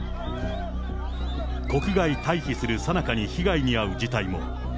国外退避するさなかに被害に遭う事態も。